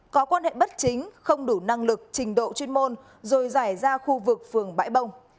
có quan hệ bất chính không đủ năng lực trình độ chuyên môn rồi giải ra khu vực phường bãi bông